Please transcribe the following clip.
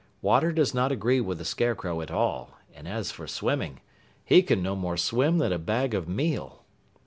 Water does not agree with the Scarecrow at all, and as for swimming, he can no more swim than a bag of meal.